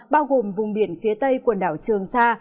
bao gồm vùng biển phía tây quần đảo trường sa